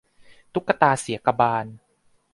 ตุ๊กตาเสียกบาล